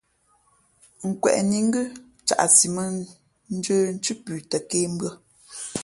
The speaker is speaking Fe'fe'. Nkweʼnǐ ngʉ́ caʼsi mᾱndjə̄ nthʉ́ pʉ tαkēmbʉ̄ᾱ.